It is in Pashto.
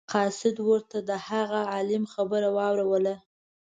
قاصد ورته د هغه عالم خبره واوروله.